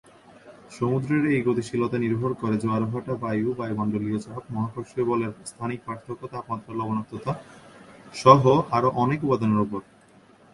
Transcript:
সমুদ্রের এই গতিশীলতা নির্ভর করে জোয়ার-ভাটা, বায়ু, বায়োমন্ডলীয় চাপ, মহাকর্ষীয় বলের স্থানিক পার্থক্য, তাপমাত্রা, লবণাক্ততা সহ আরও অনেক উপাদানের উপর।